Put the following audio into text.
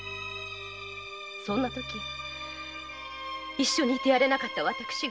そんな時一緒にいてやれない私が。